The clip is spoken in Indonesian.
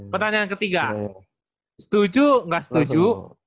pertanyaan ketiga setuju nggak setuju